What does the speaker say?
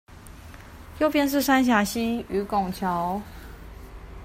右邊是三峽溪與拱橋